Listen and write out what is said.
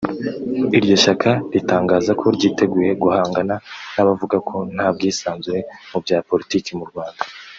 Iryo shyaka ritangaza ko ryiteguye guhangana n’abavuga ko nta bwisanzure mu bya politiki mu Rwanda